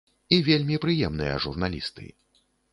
І вельмі прыемныя журналісты.